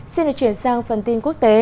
xin được chuyển sang phần tin quốc tế